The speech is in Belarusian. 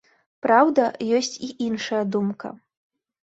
Праўда, ёсць і іншая думка.